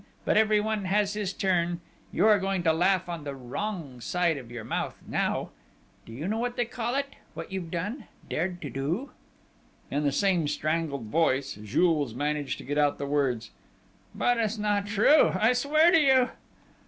But everyone has his turn ... you are going to laugh on the wrong side of your mouth now!... Do you know what they call it what you've done dared to do?" In the same strangled voice, Jules managed to get out the words: "But it's not true!... I swear to you